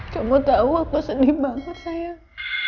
kamu tau apa sedih banget sayang